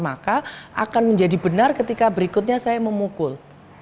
maka akan menjadi benar ketika berikutnya saya memukul